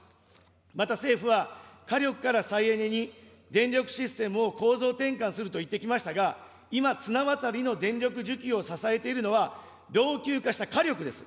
また政府は、火力から再エネに電力システムを構造転換すると言ってきましたが、今、綱渡りの電力需給を支えているのは、老朽化した火力です。